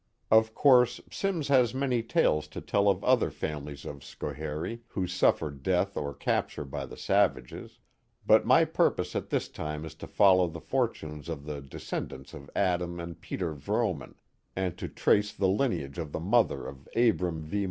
Of course, Simms has many tales to tell of other families of Schoharie, who suffered death or capture by the savages; but my purpose at this time is to follow the fortunes of the de scendants of Adam and Peter Vrooman. and to trace the line age of the mother of Abram V.